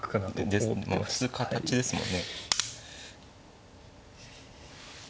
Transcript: ですね普通形ですもんね。